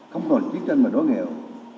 không còn chiến tranh mà đói nghèo